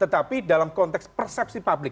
tetapi dalam konteks persepsi publik